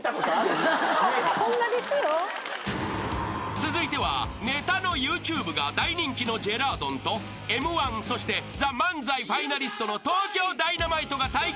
［続いてはネタのＹｏｕＴｕｂｅが大人気のジェラードンとＭ−１そしてＴＨＥＭＡＮＺＡＩファイナリストの東京ダイナマイトが対決］